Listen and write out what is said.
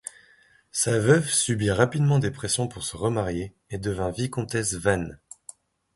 Sa veuve subit rapidement des pressions pour se remarier et devint vicomtesse Vane.